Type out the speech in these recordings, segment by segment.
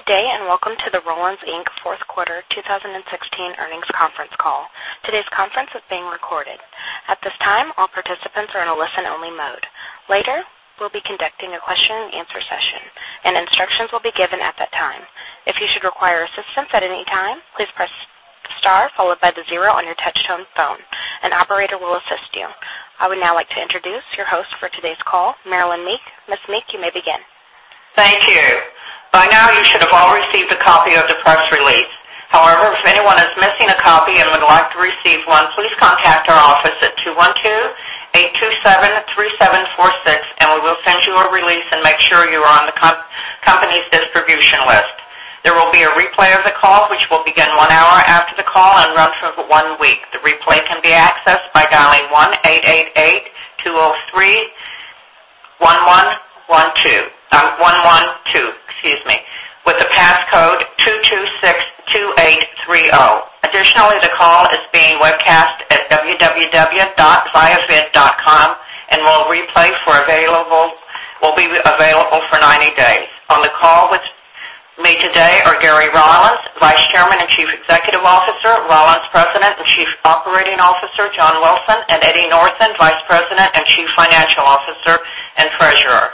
Good day. Welcome to the Rollins, Inc. fourth quarter 2016 earnings conference call. Today's conference is being recorded. At this time, all participants are in a listen-only mode. Later, we'll be conducting a question and answer session. Instructions will be given at that time. If you should require assistance at any time, please press star followed by the zero on your touchtone phone. An operator will assist you. I would now like to introduce your host for today's call, Marilynn Meek. Ms. Meek, you may begin. Thank you. By now, you should have all received a copy of the press release. If anyone is missing a copy and would like to receive one, please contact our office at 212-827-3746. We will send you a release and make sure you are on the company's distribution list. There will be a replay of the call, which will begin one hour after the call and run for one week. The replay can be accessed by dialing 1-888-203-1112, 112, excuse me, with the passcode 2262830. Additionally, the call is being webcast at www.viavid and will be available for 90 days. On the call with me today are Gary Rollins, Vice Chairman and Chief Executive Officer, Rollins President and Chief Operating Officer, John Wilson, and Eddie Northen, Vice President and Chief Financial Officer and Treasurer.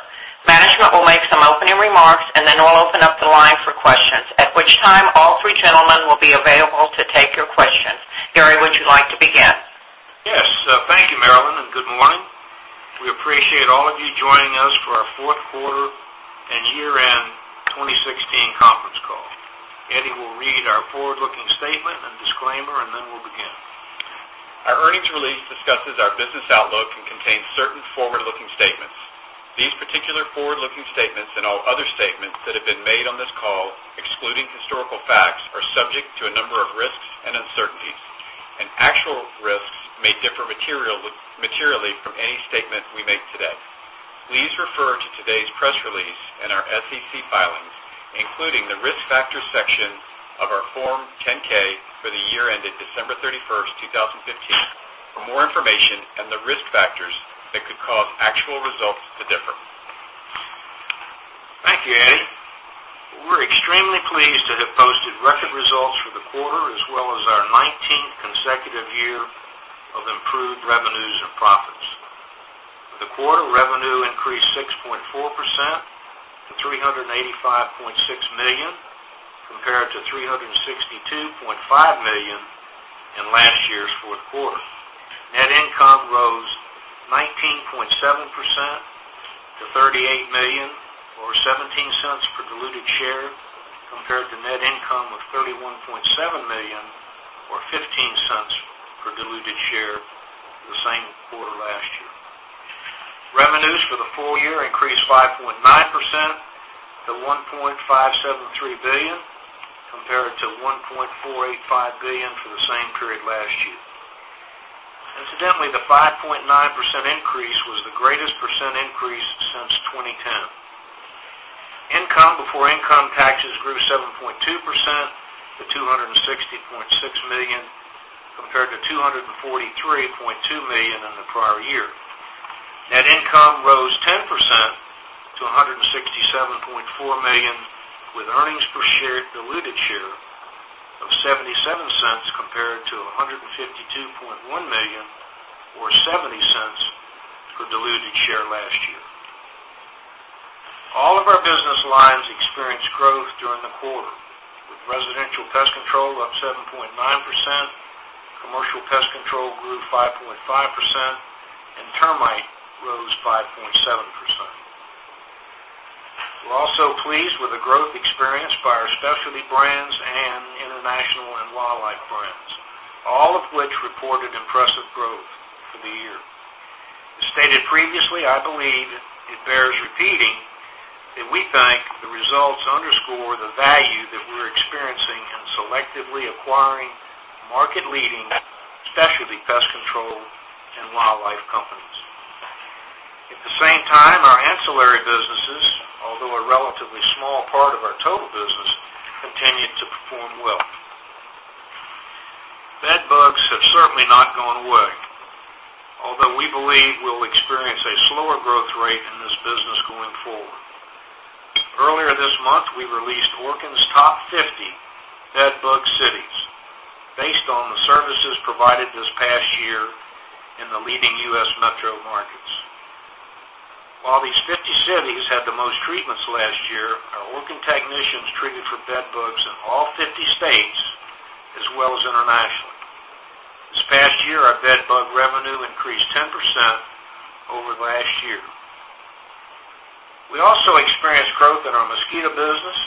Management will make some opening remarks. Then we'll open up the line for questions, at which time all three gentlemen will be available to take your questions. Gary, would you like to begin? Yes. Thank you, Marilynn. Good morning. We appreciate all of you joining us for our fourth quarter and year-end 2016 conference call. Eddie will read our forward-looking statement and disclaimer. Then we'll begin. Our earnings release discusses our business outlook and contains certain forward-looking statements. These particular forward-looking statements and all other statements that have been made on this call, excluding historical facts, are subject to a number of risks and uncertainties, and actual risks may differ materially from any statement we make today. Please refer to today's press release and our SEC filings, including the Risk Factors section of our Form 10-K for the year ended December 31st, 2015, for more information and the risk factors that could cause actual results to differ. Thank you, Eddie. We're extremely pleased to have posted record results for the quarter as well as our 19th consecutive year of improved revenues and profits. For the quarter, revenue increased 6.4% to $385.6 million, compared to $362.5 million in last year's fourth quarter. Net income rose 19.7% to $38 million, or $0.17 per diluted share, compared to net income of $31.7 million or $0.15 per diluted share the same quarter last year. Revenues for the full year increased 5.9% to $1.573 billion compared to $1.485 billion for the same period last year. Incidentally, the 5.9% increase was the greatest % increase since 2010. Income before income taxes grew 7.2% to $260.6 million compared to $243.2 million in the prior year. Net income rose 10% to $167.4 million with earnings per share, diluted share of $0.77 compared to $152.1 million or $0.70 per diluted share last year. All of our business lines experienced growth during the quarter with residential pest control up 7.9%, commercial pest control grew 5.5%, and termite rose 5.7%. We're also pleased with the growth experienced by our Specialty Brands and international and wildlife brands, all of which reported impressive growth for the year. As stated previously, I believe it bears repeating that we think the results underscore the value that we're experiencing in selectively acquiring market-leading, specialty pest control and wildlife companies. At the same time, our ancillary businesses, although a relatively small part of our total business, continued to perform well. Bed bugs have certainly not gone away, although we believe we'll experience a slower growth rate in this business going forward. Earlier this month, we released Orkin's Top 50 Bed Bug Cities based on the services provided this past year in the leading U.S. metro markets. While these 50 cities had the most treatments last year, our Orkin technicians treated for bed bugs in all 50 states as well as internationally. This past year, our bed bug revenue increased 10% over last year. We also experienced growth in our mosquito business.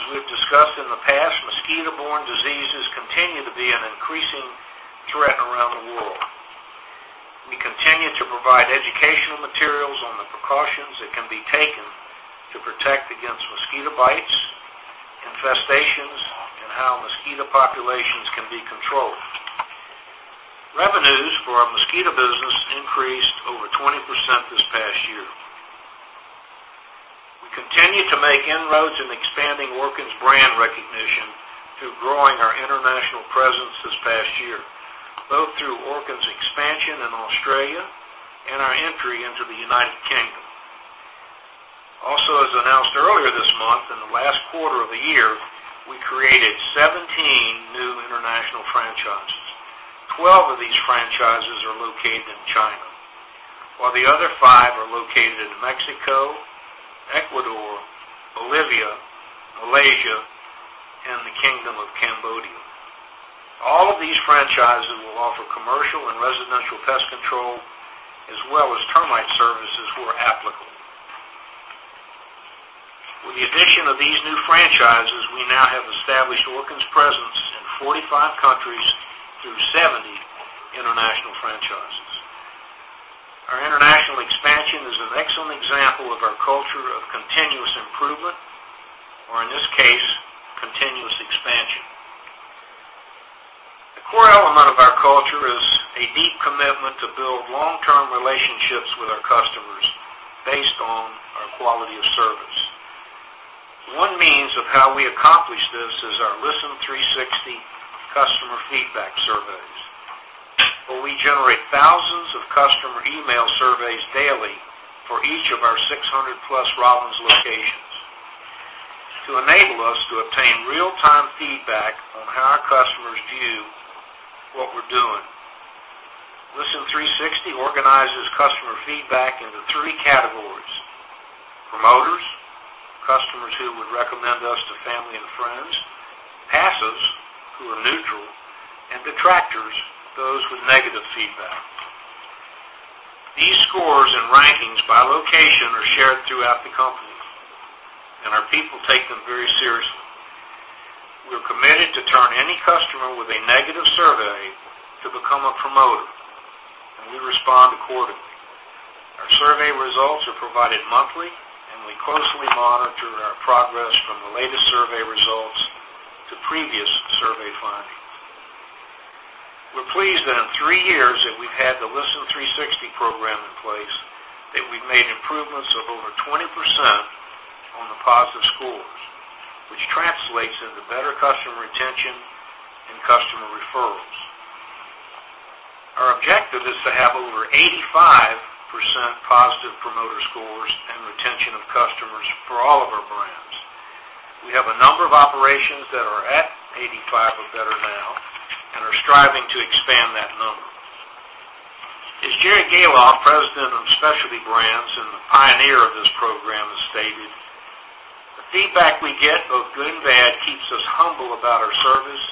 As we've discussed in the past, mosquito-borne diseases continue to be an increasing threat around the world. We continue to provide educational materials on the precautions that can be taken to protect against mosquito bites, infestations, and how mosquito populations can be controlled. Revenues for our mosquito business increased over 20% this past year. We continue to make inroads in expanding Orkin's brand recognition through growing our international presence this past year. Both through Orkin's expansion in Australia and our entry into the United Kingdom. Also, as announced earlier this month, in the last quarter of the year, we created 17 new international franchises. 12 of these franchises are located in China, while the other five are located in Mexico, Ecuador, Bolivia, Malaysia, and the Kingdom of Cambodia. All of these franchises will offer commercial and residential pest control, as well as termite services where applicable. With the addition of these new franchises, we now have established Orkin's presence in 45 countries through 70 international franchises. Our international expansion is an excellent example of our culture of continuous improvement, or in this case, continuous expansion. The core element of our culture is a deep commitment to build long-term relationships with our customers based on our quality of service. One means of how we accomplish this is our Listen360 customer feedback surveys, where we generate thousands of customer email surveys daily for each of our 600-plus Rollins locations to enable us to obtain real-time feedback on how our customers view what we're doing. Listen360 organizes customer feedback into 3 categories: promoters, customers who would recommend us to family and friends; passives, who are neutral; and detractors, those with negative feedback. These scores and rankings by location are shared throughout the company, and our people take them very seriously. We're committed to turn any customer with a negative survey to become a promoter, and we respond accordingly. Our survey results are provided monthly, and we closely monitor our progress from the latest survey results to previous survey findings. We're pleased that in three years that we've had the Listen360 program in place, that we've made improvements of over 20% on the positive scores, which translates into better customer retention and customer referrals. Our objective is to have over 85% positive promoter scores and retention of customers for all of our brands. We have a number of operations that are at 85 or better now and are striving to expand that number. As Jerry Gahlhoff, President of Specialty Brands and the pioneer of this program, has stated, "The feedback we get, both good and bad, keeps us humble about our service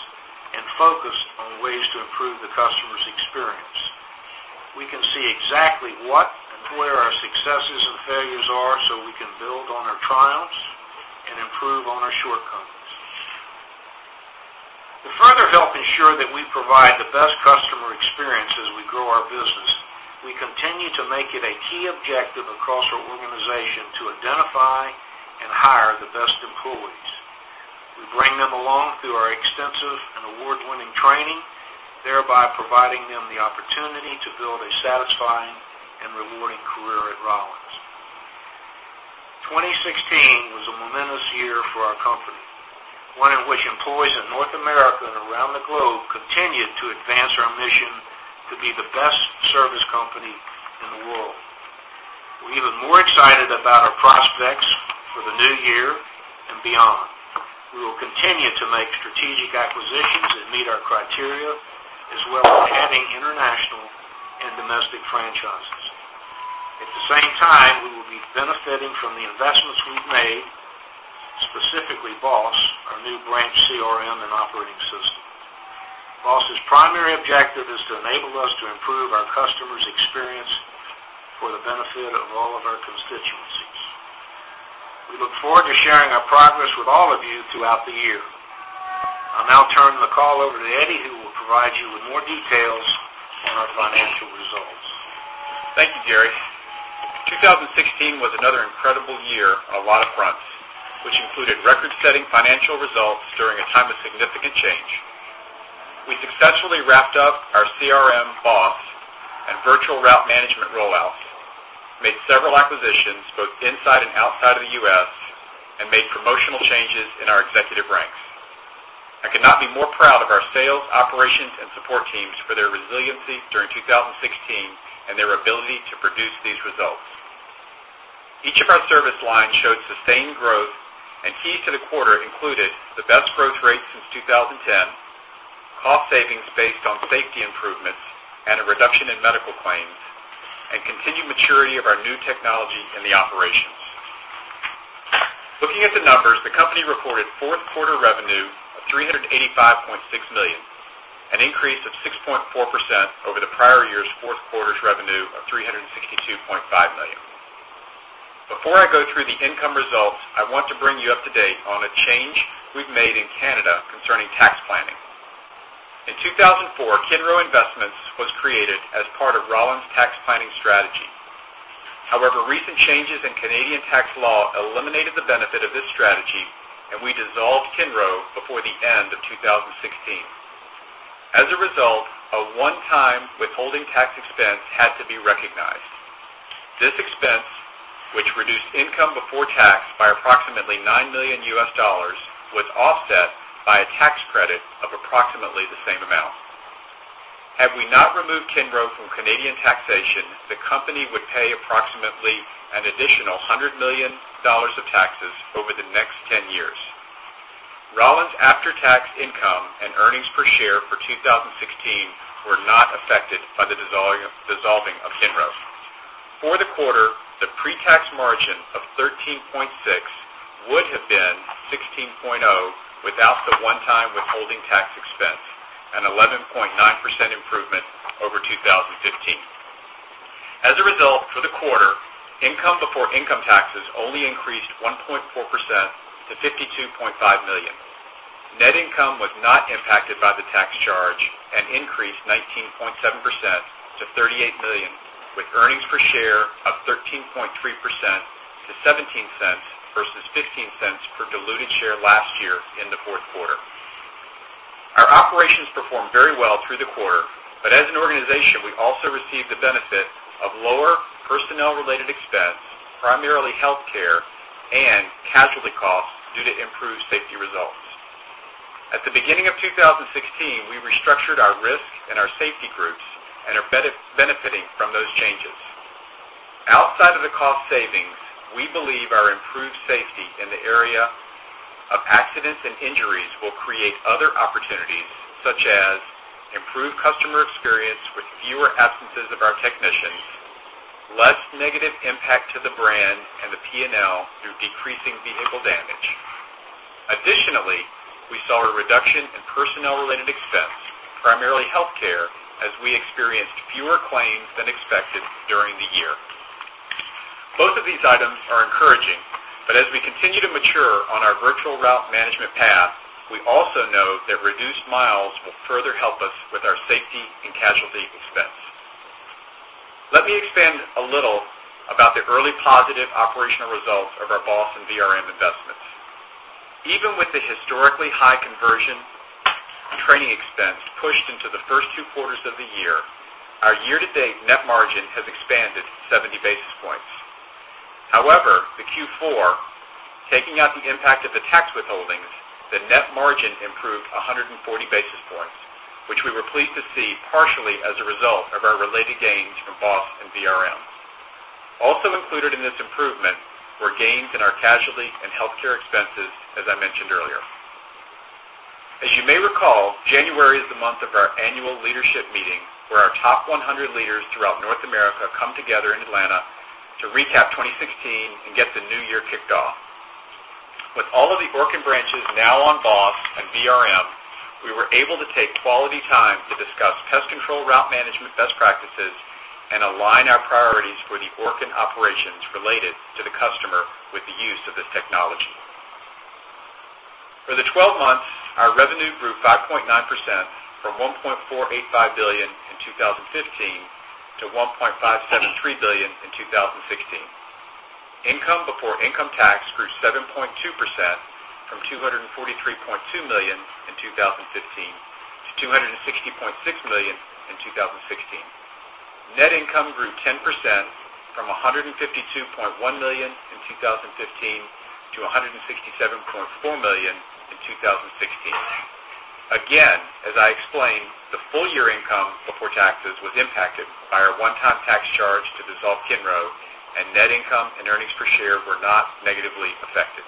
and focused on ways to improve the customer's experience. We can see exactly what and where our successes and failures are so we can build on our triumphs and improve on our shortcomings." To further help ensure that we provide the best customer experience as we grow our business, we continue to make it a key objective across our organization to identify and hire the best employees. We bring them along through our extensive and award-winning training, thereby providing them the opportunity to build a satisfying and rewarding career at Rollins. 2016 was a momentous year for our company, one in which employees in North America and around the globe continued to advance our mission to be the best service company in the world. We're even more excited about our prospects for the new year and beyond. We will continue to make strategic acquisitions that meet our criteria, as well as adding international and domestic franchises. At the same time, we will be benefiting from the investments we've made, specifically BOSS, our new branch CRM and operating system. BOSS's primary objective is to enable us to improve our customer's experience for the benefit of all of our constituencies. We look forward to sharing our progress with all of you throughout the year. I'll now turn the call over to Eddie, who will provide you with more details on our financial results. Thank you, Gary. 2016 was another incredible year on a lot of fronts, which included record-setting financial results during a time of significant change. We successfully wrapped up our CRM, BOSS, and virtual route management roll-outs, made several acquisitions both inside and outside of the U.S., and made promotional changes in our executive ranks. I could not be more proud of our sales, operations, and support teams for their resiliency during 2016 and their ability to produce these results. Each of our service lines showed sustained growth, and keys to the quarter included the best growth rate since 2010, cost savings based on safety improvements and a reduction in medical claims, and continued maturity of our new technology in the operations. Looking at the numbers, the company reported fourth quarter revenue of $385.6 million, an increase of 6.4% over the prior year's fourth quarter's revenue of $362.5 million. Before I go through the income results, I want to bring you up to date on a change we've made in Canada concerning tax planning. In 2004, Kinro Investments was created as part of Rollins' tax planning strategy. However, recent changes in Canadian tax law eliminated the benefit of this strategy, and we dissolved Kinro before the end of 2016. As a result, a one-time withholding tax expense had to be recognized. This expense, which reduced income before tax by approximately $9 million, was offset by a tax credit of approximately the same amount. Had we not removed Kinro from Canadian taxation, the company would pay approximately an additional $100 million of taxes over the next 10 years. Rollins' after-tax income and earnings per share for 2016 were not affected by the dissolving of Kinro. For the quarter, the pre-tax margin of 13.6% would have been 16.0% without the one-time withholding tax expense, an 11.9% improvement over 2015. As a result, for the quarter, income before income taxes only increased 1.4% to $52.5 million. Net income was not impacted by the tax charge and increased 19.7% to $38 million, with earnings per share up 13.3% to $0.17 versus $0.15 per diluted share last year in the fourth quarter. Our operations performed very well through the quarter, but as an organization, we also received the benefit of lower personnel-related expense, primarily healthcare and casualty costs due to improved safety results. At the beginning of 2016, we restructured our risk and our safety groups and are benefiting from those changes. Outside of the cost savings, we believe our improved safety in the area of accidents and injuries will create other opportunities, such as improved customer experience with fewer absences of our technicians, less negative impact to the brand and the P&L through decreasing vehicle damage. Additionally, we saw a reduction in personnel-related expense, primarily healthcare, as we experienced fewer claims than expected during the year. Both of these items are encouraging, as we continue to mature on our virtual route management path, we also know that reduced miles will further help us with our safety and casualty expense. Let me expand a little about the early positive operational results of our BOSS and VRM investments. Even with the historically high conversion training expense pushed into the first 2 quarters of the year, our year-to-date net margin has expanded 70 basis points. The Q4, taking out the impact of the tax withholdings, the net margin improved 140 basis points, which we were pleased to see partially as a result of our related gains from BOSS and VRM. Also included in this improvement were gains in our casualty and healthcare expenses, as I mentioned earlier. As you may recall, January is the month of our annual leadership meeting, where our top 100 leaders throughout North America come together in Atlanta to recap 2016 and get the new year kicked off. With all of the Orkin branches now on BOSS and VRM, we were able to take quality time to discuss pest control route management best practices and align our priorities for the Orkin operations related to the customer with the use of this technology. For the 12 months, our revenue grew 5.9%, from $1.485 billion in 2015 to $1.573 billion in 2016. Income before income tax grew 7.2%, from $243.2 million in 2015 to $260.6 million in 2016. Net income grew 10%, from $152.1 million in 2015 to $167.4 million in 2016. Again, as I explained, the full-year income before taxes was impacted by our one-time tax charge to dissolve Kinro, and net income and earnings per share were not negatively affected.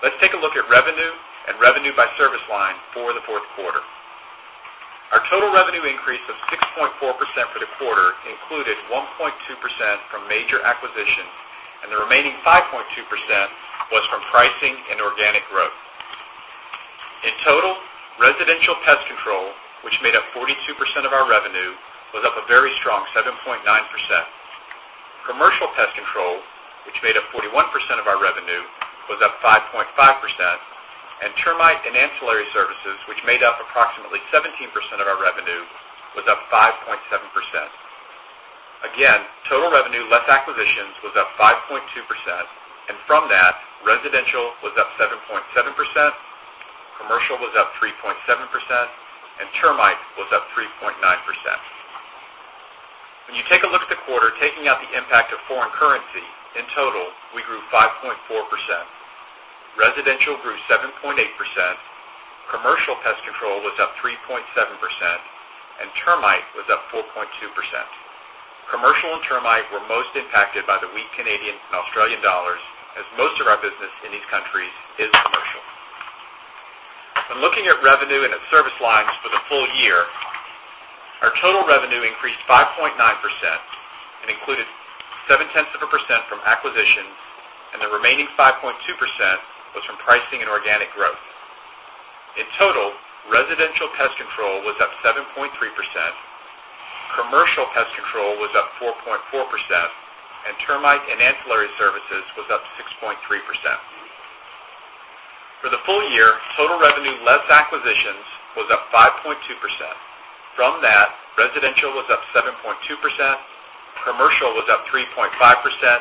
Let's take a look at revenue and revenue by service line for the fourth quarter. Our total revenue increase of 6.4% for the quarter included 1.2% from major acquisitions, and the remaining 5.2% was from pricing and organic growth. In total, residential pest control, which made up 42% of our revenue, was up a very strong 7.9%. Commercial pest control, which made up 41% of our revenue, was up 5.5%, and termite and ancillary services, which made up approximately 17% of our revenue, was up 5.7%. Again, total revenue less acquisitions was up 5.2%, and from that, residential was up 7.7%, commercial was up 3.7%, and termite was up 3.9%. When you take a look at the quarter, taking out the impact of foreign currency, in total, we grew 5.4%. Residential grew 7.8%, commercial pest control was up 3.7%, and termite was up 4.2%. Commercial and termite were most impacted by the weak Canadian and Australian dollars, as most of our business in these countries is commercial. When looking at revenue and its service lines for the full year, our total revenue increased 5.9% and included 0.7% from acquisitions, and the remaining 5.2% was from pricing and organic growth. In total, residential pest control was up 7.3%, commercial pest control was up 4.4%, and termite and ancillary services was up 6.3%. For the full year, total revenue less acquisitions was up 5.2%. Residential was up 7.2%, commercial was up 3.5%,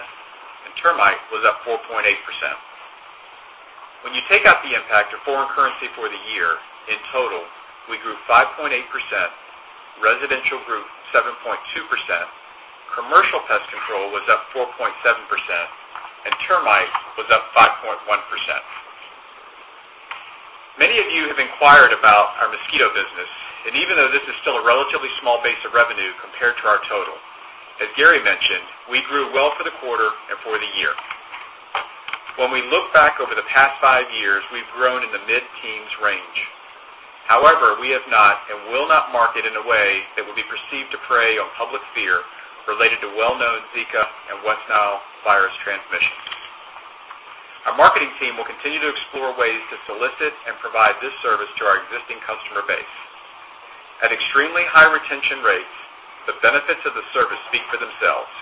and termite was up 4.8%. When you take out the impact of foreign currency for the year, in total, we grew 5.8%, residential grew 7.2%, commercial pest control was up 4.7%, and termite was up 5.1%. Many of you have inquired about our mosquito business, and even though this is still a relatively small base of revenue compared to our total, as Gary mentioned, we grew well for the quarter and for the year. When we look back over the past five years, we've grown in the mid-teens range. However, we have not and will not market in a way that will be perceived to prey on public fear related to well-known Zika and West Nile virus transmissions. Our marketing team will continue to explore ways to solicit and provide this service to our existing customer base. At extremely high retention rates, the benefits of the service speak for themselves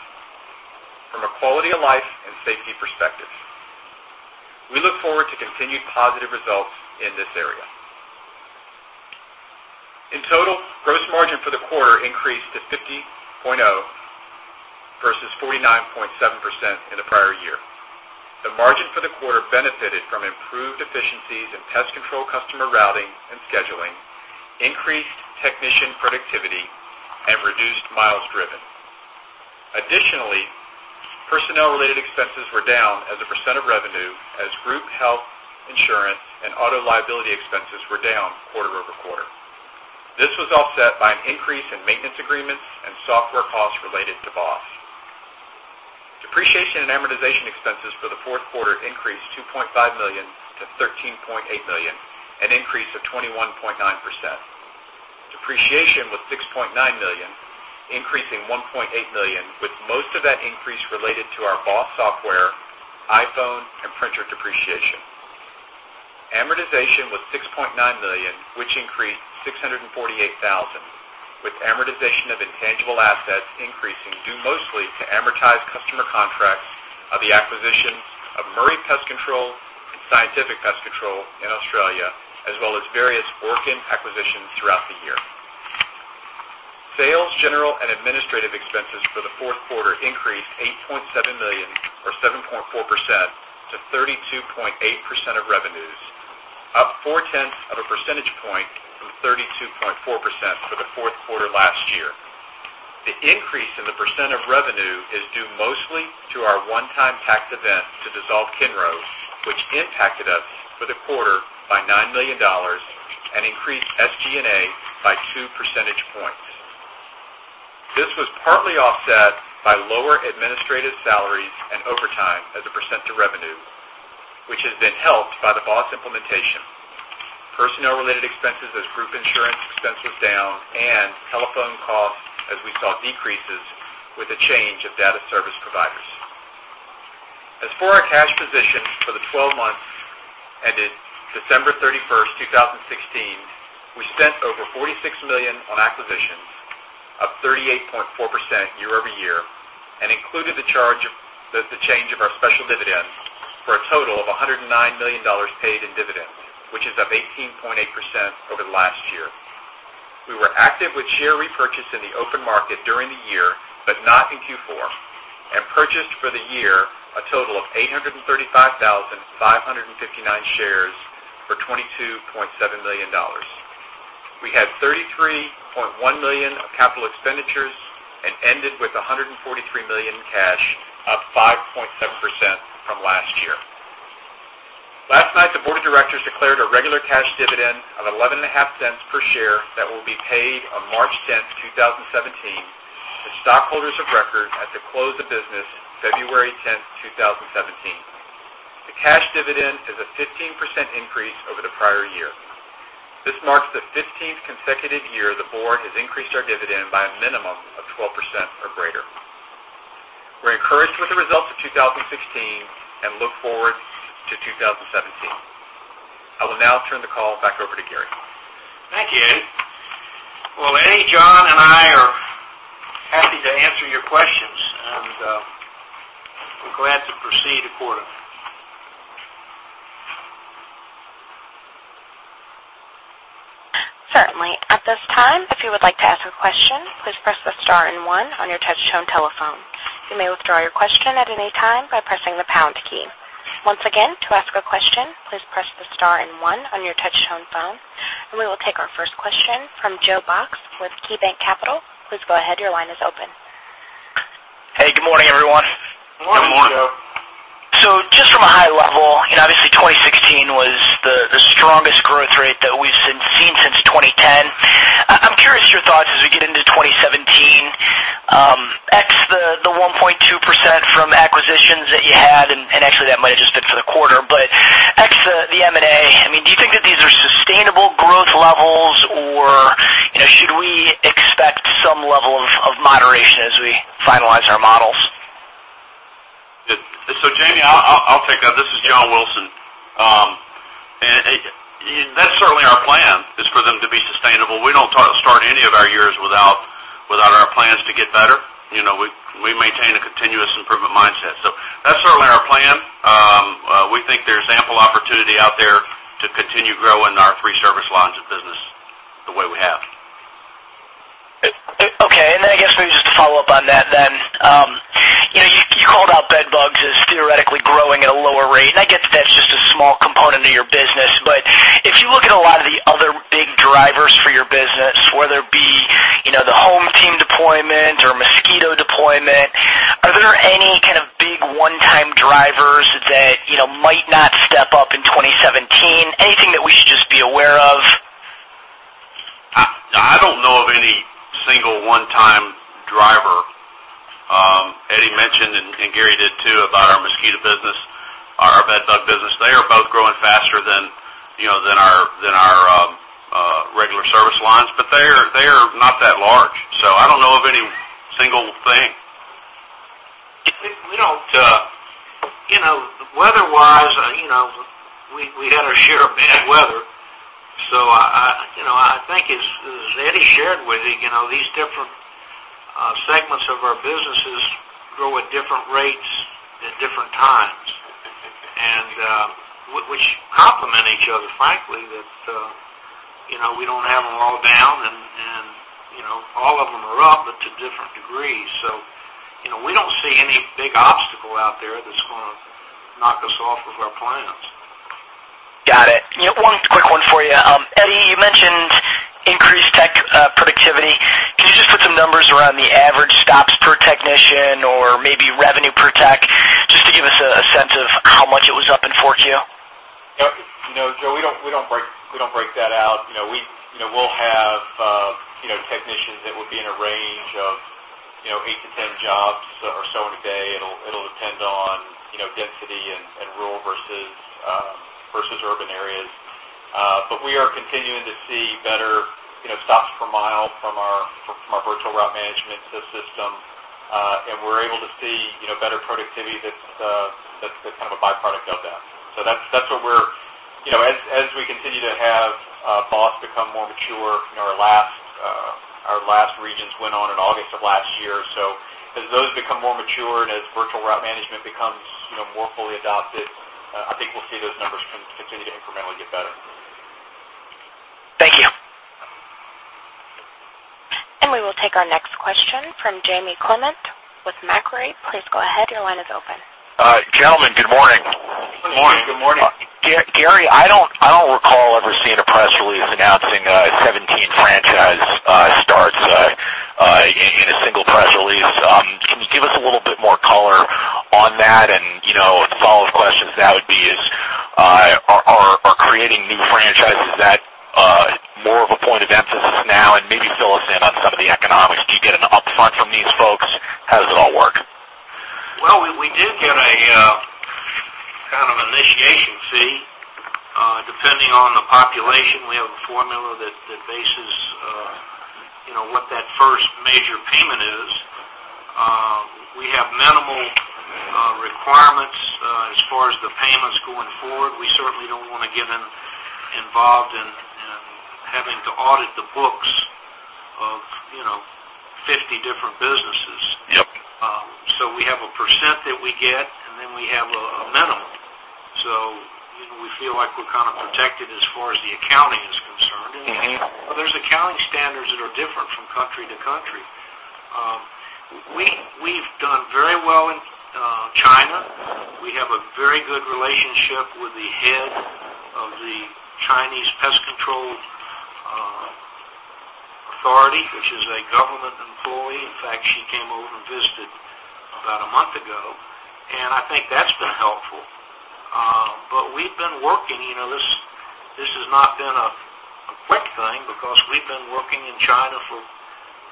from a quality-of-life and safety perspective. We look forward to continued positive results in this area. In total, gross margin for the quarter increased to 50.0% versus 49.7% in the prior year. The margin for the quarter benefited from improved efficiencies in pest control customer routing and scheduling, increased technician productivity, and reduced miles driven. Additionally, personnel-related expenses were down as a % of revenue as group health insurance and auto liability expenses were down quarter-over-quarter. This was offset by an increase in maintenance agreements and software costs related to BOSS. Depreciation and amortization expenses for the fourth quarter increased $2.5 million to $13.8 million, an increase of 21.9%. Depreciation was $6.9 million, increasing $1.8 million, with most of that increase related to our BOSS software, iPhone, and printer depreciation. Amortization was $6.9 million, which increased $648,000, with amortization of intangible assets increasing due mostly to amortized customer contracts of the acquisitions of Murray Pest Control and Scientific Pest Control in Australia, as well as various Orkin acquisitions throughout the year. Sales, general, and administrative expenses for the fourth quarter increased $8.7 million or 7.4% to 32.8% of revenues, up four-tenths of a percentage point from 32.4% for the fourth quarter last year. The increase in the % of revenue is due mostly to our one-time tax event to dissolve Kinro Investments, Inc., which impacted us for the quarter by $9 million and increased SG&A by two percentage points. This was partly offset by lower administrative salaries and overtime as a % of revenue, which has been helped by the BOSS implementation. Personnel-related expenses, as group insurance expense was down, and telephone costs, as we saw decreases with a change of data service providers. As for our cash position for the 12 months ended December 31st, 2016, we spent over $46 million on acquisitions, up 38.4% year-over-year, and included the change of our special dividend for a total of $109 million paid in dividends, which is up 18.8% over last year. We were active with share repurchase in the open market during the year, but not in Q4, and purchased for the year a total of 835,559 shares for $22.7 million. We had $33.1 million of capital expenditures and ended with $143 million in cash, up 5.7% from last year. Last night, the board of directors declared a regular cash dividend of $0.115 per share that will be paid on March 10th, 2017, to stockholders of record at the close of business February 10th, 2017. The cash dividend is a 15% increase over the prior year. This marks the 15th consecutive year the board has increased our dividend by a minimum of 12% or greater. We're encouraged with the results of 2016 and look forward to 2017. I will now turn the call back over to Gary. Thank you, Eddie. Well, Eddie, John, and I are happy to answer your questions, and we're glad to proceed accordingly. Certainly. At this time, if you would like to ask a question, please press the star and one on your touch tone telephone. You may withdraw your question at any time by pressing the pound key. Once again, to ask a question, please press the star and one on your touch tone phone. We will take our first question from Joe Box with KeyBanc Capital. Please go ahead. Your line is open. Hey, good morning, everyone. Good morning, Joe. Good morning. Just from a high level, obviously, 2016 was the strongest growth rate that we've seen since 2010. I'm curious your thoughts as we get into 2017. Ex the 1.2% from acquisitions that you had, and actually, that might have just been for the quarter, but ex the M&A, do you think that these are sustainable growth levels, or should we expect some level of moderation as we finalize our models? Jamie, I'll take that. This is John Wilson. That's certainly our plan is for them to be sustainable. We don't start any of our years without our plans to get better. We maintain a continuous improvement mindset. That's certainly our plan. We think there's ample opportunity out there to continue growing our three service lines of business the way we have. Okay. I guess maybe just to follow up on that then. You called out bed bugs as theoretically growing at a lower rate, and I get that's just a small component of your business. If you look at a lot of the other big drivers for your business, whether it be the HomeTeam Pest Defense or mosquito deployment, are there any kind of big one-time drivers that might not step up in 2017? Anything that we should just be aware of? I don't know of any single one-time driver. Eddie mentioned, and Gary did, too, about our mosquito business, our bed bug business. They are both growing faster than our regular service lines. They are not that large, so I don't know of any single thing. Weather-wise, we had our share of bad weather. I think, as Eddie shared with you, these different segments of our businesses grow at different rates at different times, and which complement each other, frankly. That we don't have them all down, and all of them are up, but to different degrees. We don't see any big obstacle out there that's going to knock us off of our plans. Got it. One quick one for you. Eddie, you mentioned increased tech productivity. Can you just put some numbers around the average stops per technician or maybe revenue per tech, just to give us a sense of how much it was up in 4Q? No, Joe, we don't break that out. We'll have technicians that would be in a range of eight to 10 jobs or so in a day. It'll depend on density and rural versus urban areas. But we are continuing to see better stops per mile from our Virtual Route Manager system, and we're able to see better productivity that's kind of a byproduct of that. As we continue to have BOSS become more mature, our last regions went on in August of last year. As those become more mature and as Virtual Route Manager becomes more fully adopted, I think we'll see those numbers continue to incrementally get better. Thank you. We will take our next question from Jamie Clement with Macquarie. Please go ahead, your line is open. Gentlemen, good morning. Morning. Good morning. Gary, I don't recall ever seeing a press release announcing 17 franchise starts in a single press release. Can you give us a little bit more color on that? A follow-up question to that would be is, are creating new franchises that more of a point of emphasis now? Maybe fill us in on some of the economics. Do you get an upfront from these folks? How does it all work? Well, we do get a kind of initiation fee. Depending on the population, we have a formula that bases what that first major payment is. We have minimal requirements as far as the payments going forward. We certainly don't want to get involved in having to audit the books of 50 different businesses. Yep. We have a percent that we get, and then we have a minimum. We feel like we're kind of protected as far as the accounting is concerned. There's accounting standards that are different from country to country. We've done very well in China. We have a very good relationship with the head of the Chinese Pest Control Authority, which is a government employee. In fact, she came over and visited about a month ago. I think that's been helpful. This has not been a quick thing, because we've been working in China for,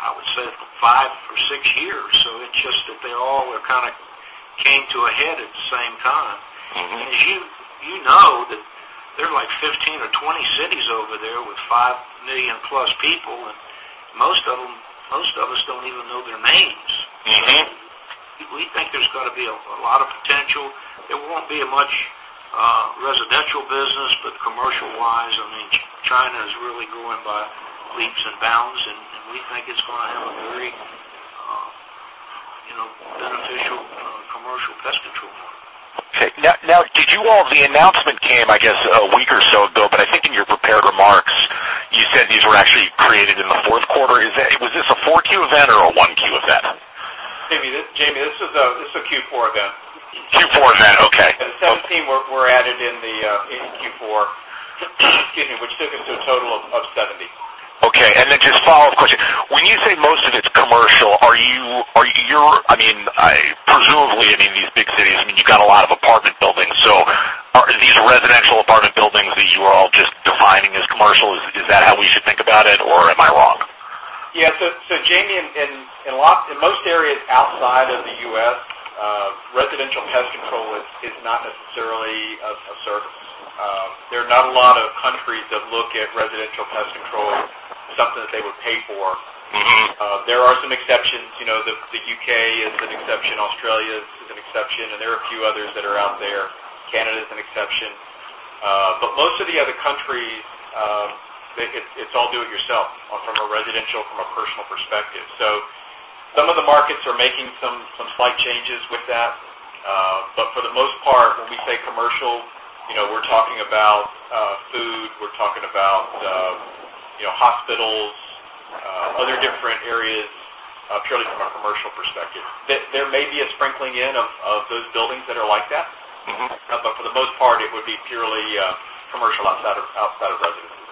I would say, for five or six years. It's just that they all kind of came to a head at the same time. As you know, that there are 15 or 20 cities over there with 5 million-plus people. Most of us don't even know their names. We think there's got to be a lot of potential. It won't be a much residential business. Commercial-wise, China is really growing by leaps and bounds. We think it's going to have a very beneficial commercial pest control market. Okay. Now, the announcement came, I guess, a week or so ago. I think in your prepared remarks, you said these were actually created in the fourth quarter. Was this a 4Q event or a 1Q event? Jamie, this was a Q4 event. Q4 event. Okay. The 17 were added in Q4, excuse me, which took us to a total of 70. Okay. Just a follow-up question. When you say most of it's commercial, presumably in these big cities, you got a lot of apartment buildings. Are these residential apartment buildings that you are all just defining as commercial? Is that how we should think about it, or am I wrong? Yeah. Jamie, in most areas outside of the U.S., residential pest control is not necessarily a service. There are not a lot of countries that look at residential pest control as something that they would pay for. There are some exceptions. The U.K. is an exception. Australia is an exception. There are a few others that are out there. Canada is an exception. Most of the other countries, it's all do-it-yourself from a residential, from a personal perspective. Some of the markets are making some slight changes with that. For the most part, when we say commercial, we're talking about food, we're talking about hospitals, other different areas, purely from a commercial perspective. There may be a sprinkling in of those buildings that are like that. For the most part, it would be purely commercial outside of residences.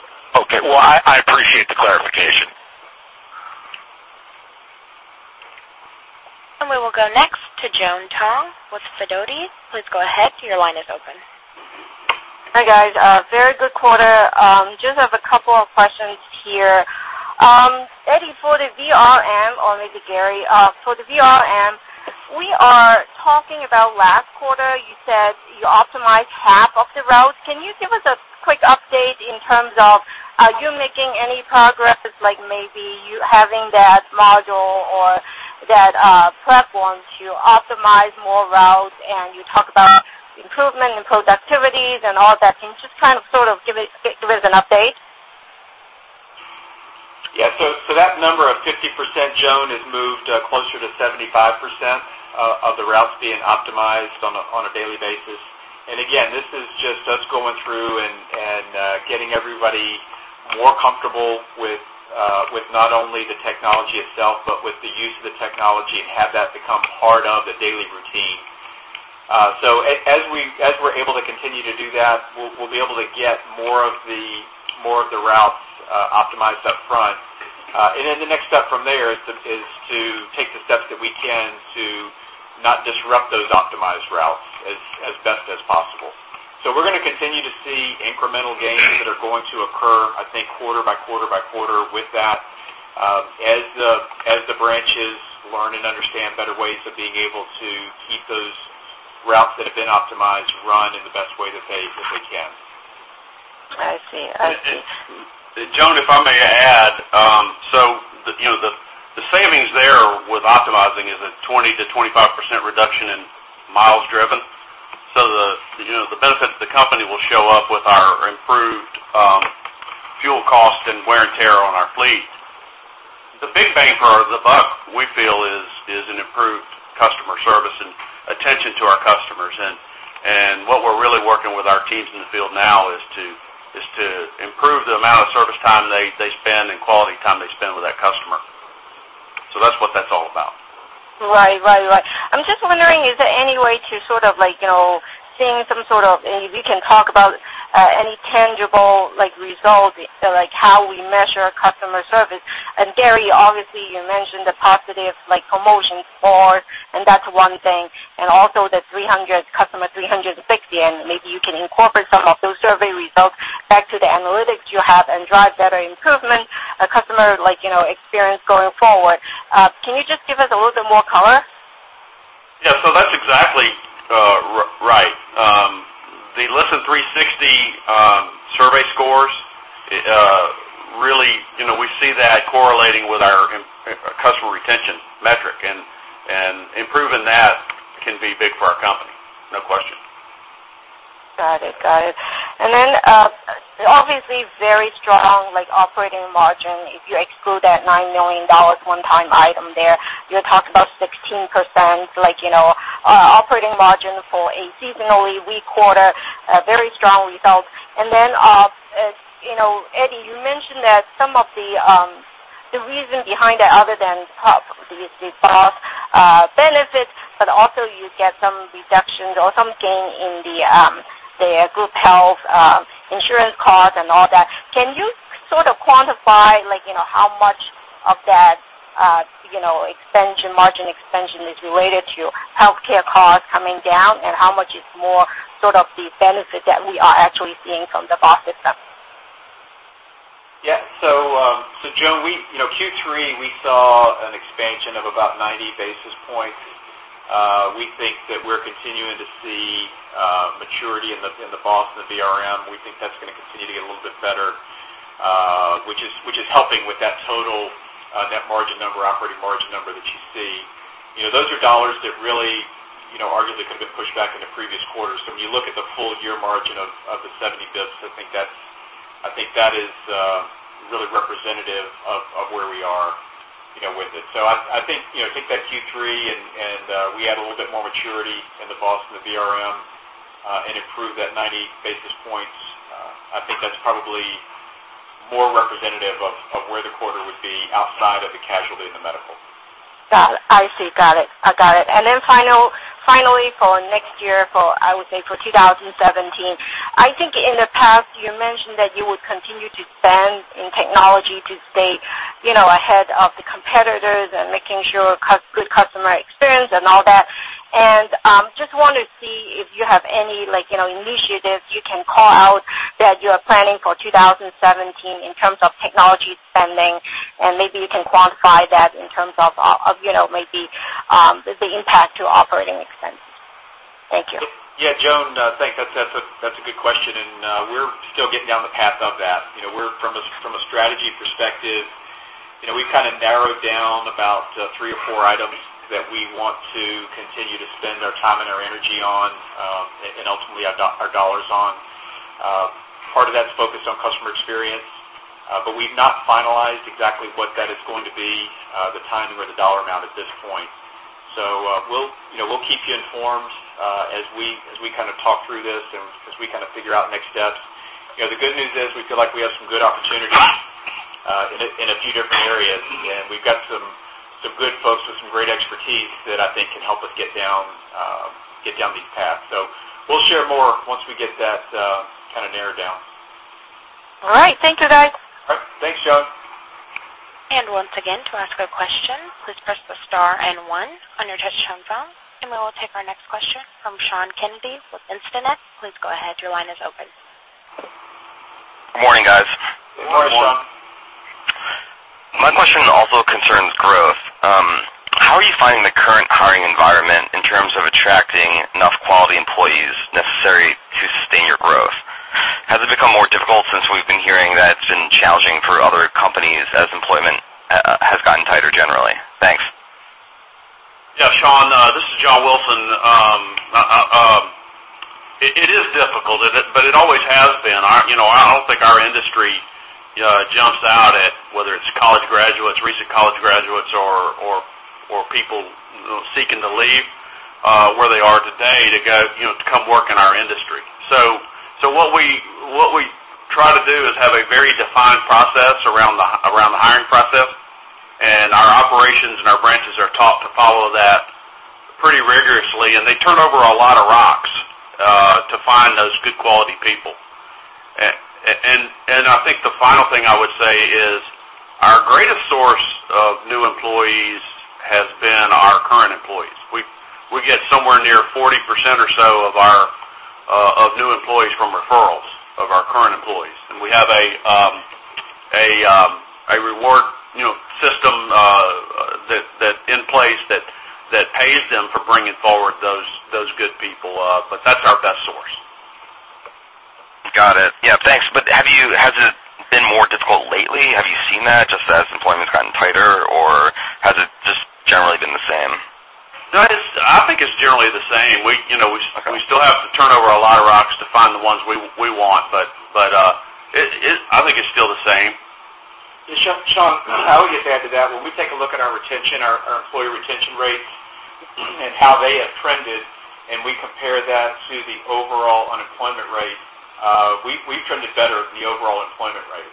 Okay. Well, I appreciate the clarification. We will go next to Joan Tong with Fidelity. Please go ahead. Your line is open. Hi, guys. A very good quarter. Just have a couple of questions here. Eddie, for the VRM, or maybe Gary, for the VRM, we are talking about last quarter, you said you optimized half of the routes. Can you give us a quick update in terms of, are you making any progress? Maybe you having that module or that platform to optimize more routes, you talk about improvement in productivities and all that. Can you just give us an update? Yeah. That number of 50%, Joan, has moved closer to 75% of the routes being optimized on a daily basis. Again, this is just us going through and getting everybody more comfortable with not only the technology itself but with the use of the technology and have that become part of the daily routine. As we're able to continue to do that, we'll be able to get more of the routes optimized up front. The next step from there is to take the steps that we can to not disrupt those optimized routes as best as possible. We're going to continue to see incremental gains that are going to occur, I think, quarter by quarter by quarter with that, as the branches learn and understand better ways of being able to keep those routes that have been optimized run in the best way that they can. I see. Joan, if I may add, the savings there with optimizing is a 20%-25% reduction in miles driven. The benefit to the company will show up with our improved fuel cost and wear and tear on our fleet. The big bang for the buck, we feel, is an improved customer service and attention to our customers. What we're really working with our teams in the field now is to improve the amount of service time they spend and quality time they spend with that customer. That's what that's all about. Right. I'm just wondering, is there any way to seeing some sort of, maybe you can talk about any tangible results, like how we measure customer service. Gary, obviously, you mentioned the positive promotion score, and that's one thing. Also the Listen360, maybe you can incorporate some of those survey results back to the analytics you have and drive better improvement customer experience going forward. Can you just give us a little bit more color? That's exactly right. The Listen360 survey scores, really, we see that correlating with our customer retention metric, improving that can be big for our company. No question. Got it. Obviously, very strong operating margin. If you exclude that $9 million one-time item there, you're talking about 16% operating margin for a seasonally weak quarter. A very strong result. Eddie, you mentioned that some of the reason behind that, other than the BOSS benefits, but also you get some reductions or some gain in the group health insurance costs and all that. Can you quantify how much of that margin expansion is related to healthcare costs coming down, and how much is more the benefit that we are actually seeing from the BOSS system? Joan, Q3, we saw an expansion of about 90 basis points. We think that we're continuing to see maturity in the BOSS and the VRM. We think that's going to continue to get a little bit better, which is helping with that total net margin number, operating margin number that you see. Those are dollars that really arguably could have been pushed back into previous quarters. When you look at the full-year margin of the 70 basis points, I think that is really representative of where we are with it. I think that Q3, and we add a little bit more maturity in the BOSS and the VRM, and improve that 90 basis points, I think that's probably more representative of where the quarter would be outside of the casualty and the medical. Got it. I see. Finally, for next year, I would say for 2017, I think in the past, you mentioned that you would continue to spend in technology to stay ahead of the competitors and making sure good customer experience and all that. Just want to see if you have any initiatives you can call out that you are planning for 2017 in terms of technology spending, and maybe you can quantify that in terms of maybe the impact to operating expense. Thank you. Joan, thanks. That's a good question, and we're still getting down the path of that. From a strategy perspective, we've narrowed down about three or four items that we want to continue to spend our time and our energy on, and ultimately our dollars on. Part of that's focused on customer experience, but we've not finalized exactly what that is going to be, the timing or the dollar amount at this point. We'll keep you informed as we talk through this and as we figure out next steps. The good news is we feel like we have some good opportunities in a few different areas, and we've got some good folks with some great expertise that I think can help us get down these paths. We'll share more once we get that kind of narrowed down. All right. Thank you, guys. All right. Thanks, Joan. Once again, to ask a question, please press the star and one on your touchtone phone. We will take our next question from Sean Kennedy with Instinet. Please go ahead. Your line is open. Good morning, guys. Good morning. Good morning. My question also concerns growth. How are you finding the current hiring environment in terms of attracting enough quality employees necessary to sustain your growth? Has it become more difficult since we've been hearing that it's been challenging for other companies as employment has gotten tighter generally? Thanks. Yeah, Sean, this is John Wilson. It is difficult, but it always has been. I don't think our industry jumps out at, whether it's college graduates, recent college graduates, or people seeking to leave where they are today to come work in our industry. What we try to do is have a very defined process around the hiring process, and our operations and our branches are taught to follow that pretty rigorously, and they turn over a lot of rocks to find those good quality people. I think the final thing I would say is our greatest source of new employees has been our current employees. We get somewhere near 40% or so of new employees from referrals of our current employees. We have a reward system in place that pays them for bringing forward those good people. That's our best source. Got it. Yeah, thanks. Has it been more difficult lately? Have you seen that just as employment's gotten tighter, or has it just generally been the same? No, I think it's generally the same. Okay. We still have to turn over a lot of rocks to find the ones we want, but I think it's still the same. Yeah, Sean, I would just add to that. When we take a look at our retention, our employee retention rates, and how they have trended, and we compare that to the overall unemployment rate, we've trended better than the overall unemployment rate.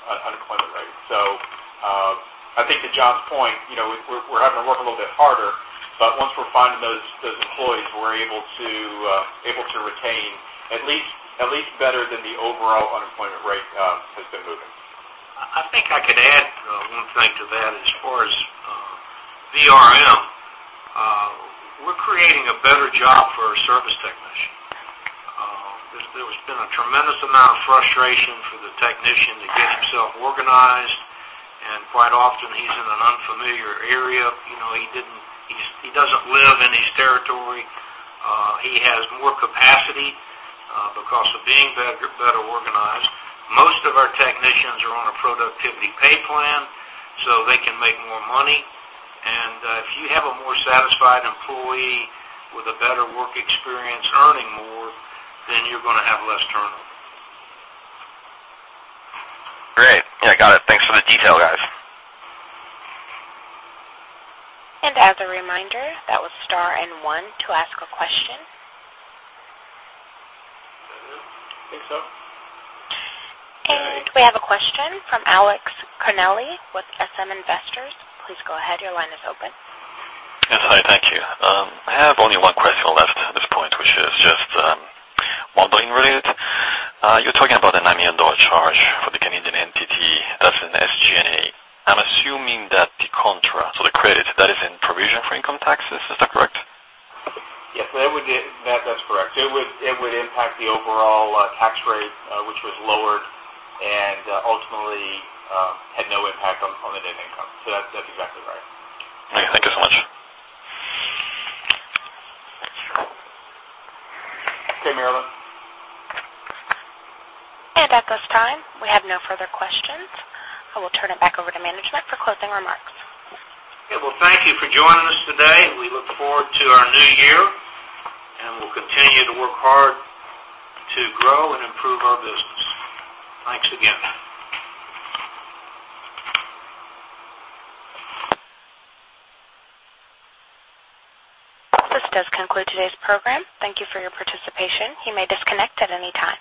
I think to John's point, we're having to work a little bit harder, but once we're finding those employees, we're able to retain at least better than the overall unemployment rate has been moving. I think I could add one thing to that. As far as VRM, we're creating a better job for a service technician. There's been a tremendous amount of frustration for the technician to get himself organized, and quite often he's in an unfamiliar area. He doesn't live in his territory. He has more capacity because of being better organized. Most of our technicians are on a productivity pay plan, so they can make more money. If you have a more satisfied employee with a better work experience earning more, then you're going to have less turnover. Great. Yeah, got it. Thanks for the detail, guys. As a reminder, that was star and one to ask a question. Is that it? I think so. We have a question from Alex Carnelli with SM Investors. Please go ahead. Your line is open. Yes. Hi, thank you. I have only one question left at this point, which is just modeling related. You're talking about a $9 million charge for the Canadian entity that's in SG&A. I'm assuming that the contra, so the credit, that is in provision for income taxes. Is that correct? Yes, that's correct. It would impact the overall tax rate, which was lowered and ultimately had no impact on the net income. That's exactly right. Okay, thank you so much. Okay, Marilynn. At this time, we have no further questions. I will turn it back over to management for closing remarks. Okay. Thank you for joining us today. We look forward to our new year, and we'll continue to work hard to grow and improve our business. Thanks again. This does conclude today's program. Thank you for your participation. You may disconnect at any time.